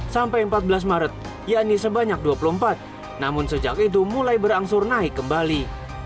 sampai empat belas maret yakni sebanyak dua puluh empat namun sejak itu mulai berangsur naik kembali